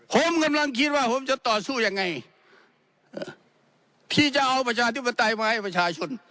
ผมกำลังคิดว่าผมจะต่อสู้ยังไงที่จะเอาประชาธิปไตยมาให้ประชาชน